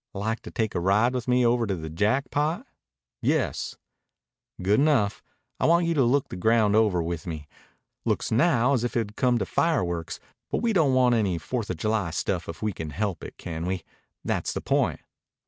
"Like to take a ride with me over to the Jackpot?" "Yes." "Good enough. I want you to look the ground over with me. Looks now as if it would come to fireworks. But we don't want any Fourth of July stuff if we can help it. Can we? That's the point."